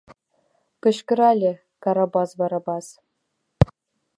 — кычкырале Карабас Барабас.